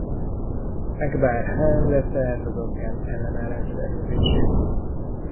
Akbar Hán vette át az afgán ellenállás szervezését.